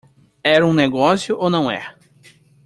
É um negócio ou não é?